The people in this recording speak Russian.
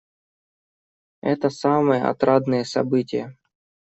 Это самые отрадные события.